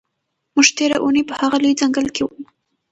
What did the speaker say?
موږ تېره اونۍ په هغه لوی ځنګل کې وو.